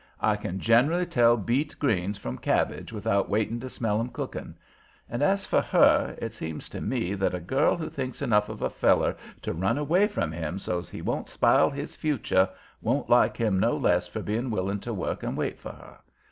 I can generally tell beet greens from cabbage without waiting to smell 'em cooking. And as for her, it seems to me that a girl who thinks enough of a feller to run away from him so's he won't spile his future, won't like him no less for being willing to work and wait for her.